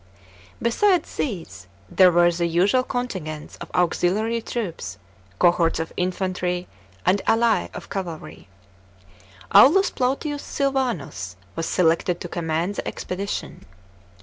Besides these, there were the usual contingents of auxiliary troops, cohorts of infantry and alx of cavalry. Aulus Plautius Silvanus was selected to command the expedition.